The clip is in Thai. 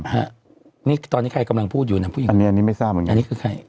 ฮะนี่ตอนนี้ใครกำลังพูดอยู่อันนี้อันนี้ไม่ทราบอันนี้คือใคร